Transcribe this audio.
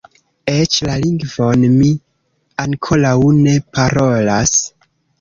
Eĉ la lingvon mi ankoraŭ ne parolas.